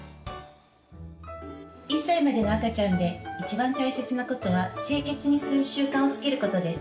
１歳までの赤ちゃんでいちばん大切なことは清潔にする習慣をつけることです。